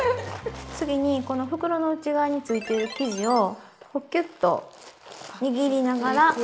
次にこの袋の内側についてる生地をキュッと握りながらふる。